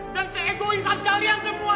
dan keegoisan kalian semua